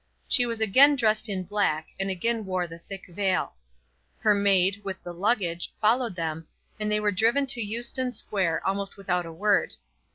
She was again dressed in black, and again wore the thick veil. Her maid, with the luggage, followed them, and they were driven to Euston Square almost without a word.